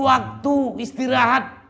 ya aku istirahat